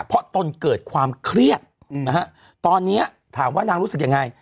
เพราะตนเกิดความเครียดนะฮะตอนนี้ถามว่านางรู้สึกยังไง